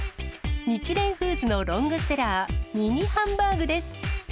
ニチレイフーズのロングセラー、ミニハンバーグです。